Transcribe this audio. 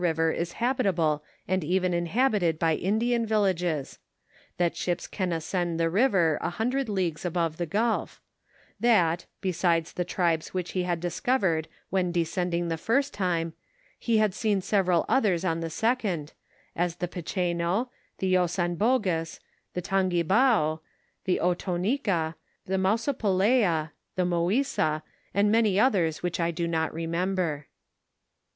river is habitable and even inhabited by Indian villages ; that ships can ascend the river a hundred leagues above the gulf; that, besides the tribes which he had discovered when de scending the first time, he had seen several others on the second, as the Picheno, the Ozanbogus, the Tangibao, the Otonnica, the Mausopelea, the Mouisa, and many others which I do not remember.